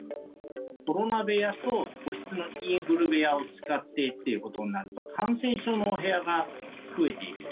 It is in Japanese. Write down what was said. コロナ部屋と個室のインフル部屋を使ってということになると、感染症のお部屋が増えていく。